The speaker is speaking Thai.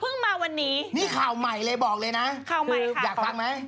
มาวันนี้นี่ข่าวใหม่เลยบอกเลยนะข่าวใหม่อยากฟังไหม